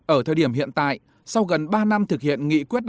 ở thời điểm hiện tại sau gần ba năm thực hiện nghị quyết